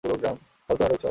ফালতু নাটক সব।